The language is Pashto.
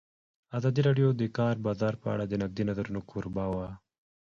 ازادي راډیو د د کار بازار په اړه د نقدي نظرونو کوربه وه.